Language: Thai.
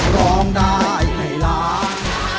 ร้องได้ให้ล้าน